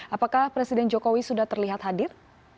apakah presiden jokowi sudah terlihat hadir